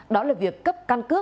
đó là việc cấp căn cước